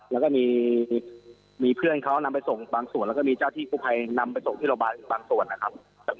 แล้วก็มีเพื่อนเขานำไปส่งบางส่วนแล้วก็มีเจ้าที่กู้ภัยนำไปส่งที่โรงพยาบาลบางส่วนนะครับ